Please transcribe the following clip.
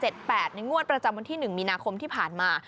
งวดประจำวันที่๑มีนาคมที่ผ่านมา